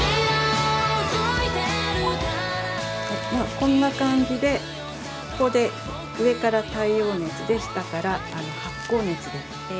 こんな感じでここで上から太陽熱で下から発酵熱で。